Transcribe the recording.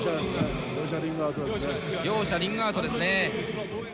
両者リングアウトですね。